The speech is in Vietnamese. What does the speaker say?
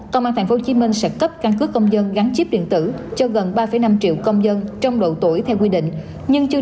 công an tp hcm sẽ cấp căn cứ công dân gắn chip điện tử cho gần ba năm triệu công dân trong độ tuổi theo quy định nhưng chưa